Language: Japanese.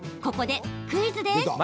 ここでクイズです。